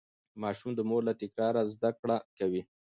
ماشوم د مور له تکرار زده کړه کوي.